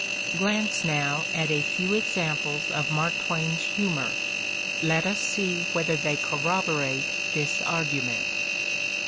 Glance, now, at a few examples of Mark Twain's humor: let us see whether they corroborate this argu ment.